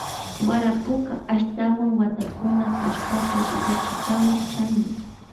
Warapuka ashtawan watakuna kashpapash wichikan chani.